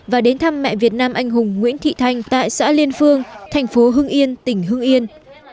và đến thăm mẹ việt nam anh hùng nguyễn thị thanh tại xã liên phương thành phố hưng yên tỉnh hưng yên